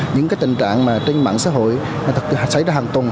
những tình trạng mà trên mạng xã hội xảy ra hàng tuần